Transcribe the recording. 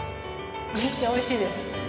めっちゃ美味しいです。